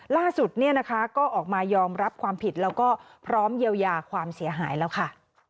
ล่าสุดก็ออกมายอมรับความผิดและพร้อมเยียวยาความเสียหายแล้วค่ะ